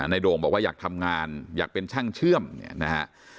ในโด่งบอกว่าอยากทำงานอยากเป็นช่างเชื่อมนะครับ